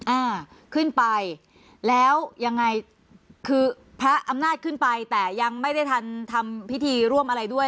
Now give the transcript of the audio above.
อ่าขึ้นไปแล้วยังไงคือพระอำนาจขึ้นไปแต่ยังไม่ได้ทันทำพิธีร่วมอะไรด้วย